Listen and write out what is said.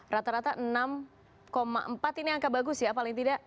rata rata enam empat ini angka bagus ya paling tidak